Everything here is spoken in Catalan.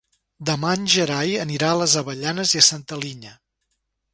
Demà en Gerai anirà a les Avellanes i Santa Linya.